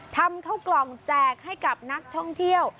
ทำเข้ากล่องแจกให้กับนักท่องเที่ยว